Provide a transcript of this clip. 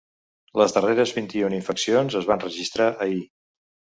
Les darreres vint-i-una infeccions es van registrar ahir.